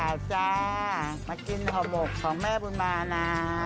แล้วตลอดขาดจ้ามากินโหมกของแม่บุญมานะ